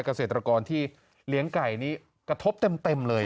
เกษตรกรที่เลี้ยงไก่นี้กระทบเต็มเลย